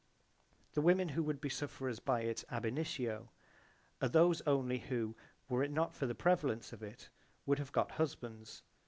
The women who would be sufferers by it ab initio are those only who, were it not for the prevalence of it, would have got husbands.